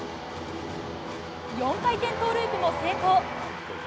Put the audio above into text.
４回転トウループも成功。